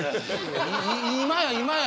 今や今や。